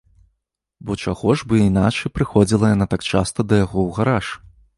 Бо чаго ж бы іначай прыходзіла яна так часта да яго ў гараж?